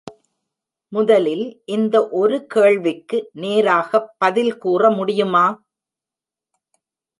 முதலில் இந்த ஒரு கேள்விக்கு நேராகப் பதில் கூற முடியுமா?